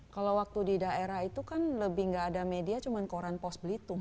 kalau waktu di daerah itu kan lebih gak ada media cuman koran pos blitung